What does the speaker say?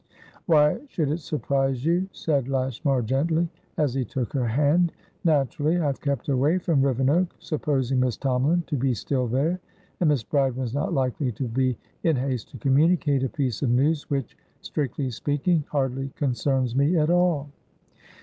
"Why should it surprise you?" said Lashmar, gently, as he took her hand. "Naturally I have kept away from Rivenoak, supposing Miss Tomalin to be still there; and Miss Bride was not likely to be in haste to communicate a piece of news which, strictly speaking, hardly concerns me at all."